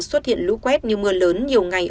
xuất hiện lũ quét như mưa lớn nhiều ngày